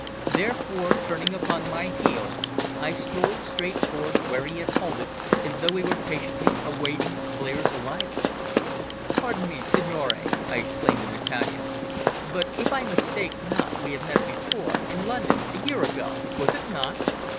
Therefore, turning upon my heel, I strolled straight towards where he had halted as though he were patiently awaiting Blair's arrival. "Pardon me, signore," I exclaimed in Italian, "but if I mistake not we have met before in London, a year ago was it not?"